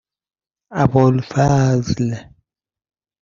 ابوالفضل